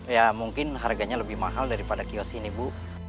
ya mungkin harganya lebih mahal daripada kios ini bu